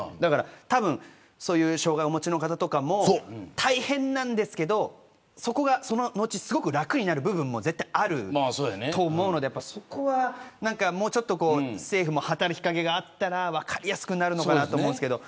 そういう障害がある方とかも大変なんですけどその後にすごく楽になる部分もあると思うのでそこは、もう少し政府も働き掛けがあったら分かりやすくなると思うんですけど。